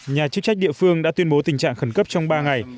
nhà chức trách địa phương đã tuyên bố tình trạng khẩn cấp trong ba ngày